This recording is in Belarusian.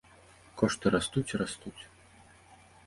Кошты растуць і растуць.